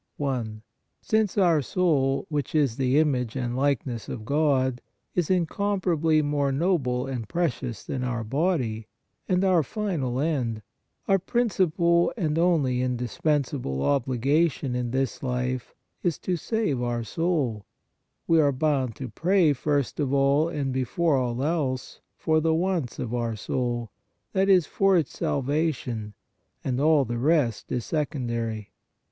i. Since our soul, which is ? .the image and i% likeness of God, is incomparably more noble and precious than our body, and our final end, our prin cipal and only indispensable obligation in this life is to save our soul, we are bound to pray, first of all and before all else, for the wants of our soul, that is, for its salvation, and all the rest is second ary.